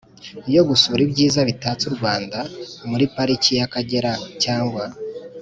yo gusura ibyiza bitatse u rwanda muri pariki y’akagera cyangwa